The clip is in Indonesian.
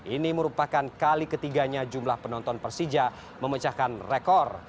ini merupakan kali ketiganya jumlah penonton persija memecahkan rekor